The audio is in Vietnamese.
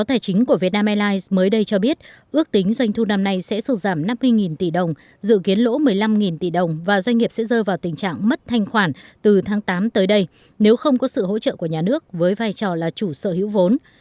tài chính của việt nam airlines mới đây cho biết ước tính doanh thu năm nay sẽ sụt giảm năm mươi tỷ đồng dự kiến lỗ một mươi năm tỷ đồng và doanh nghiệp sẽ rơi vào tình trạng mất thanh khoản từ tháng tám tới đây nếu không có sự hỗ trợ của nhà nước với vai trò là chủ sở hữu vốn